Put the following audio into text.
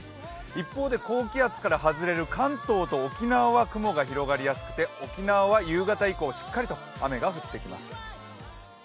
一方で高気圧から外れる関東と沖縄は雲が広がりやすくて沖縄は夕方以降しっかりと雨が降ってきます。